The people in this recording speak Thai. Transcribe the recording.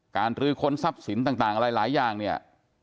รื้อค้นทรัพย์สินต่างอะไรหลายอย่างเนี่ย